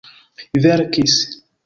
verkis